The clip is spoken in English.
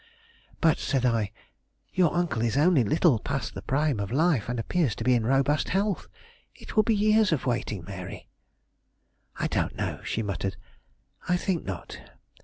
"But," said I, "your uncle is only little past the prime of life and appears to be in robust health; it will be years of waiting, Mary." "I don't know," she muttered, "I think not.